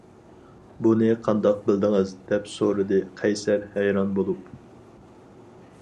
- بۇنى قانداق بىلدىڭىز؟ - دەپ سورىدى قەيسەر ھەيران بولۇپ.